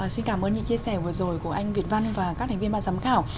xin cảm ơn những chia sẻ vừa rồi của anh việt văn và các thành viên ban giám khảo